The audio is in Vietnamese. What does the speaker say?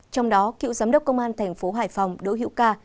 trong đó cựu giám đốc công an thành phố hải phòng đỗ hiễu ca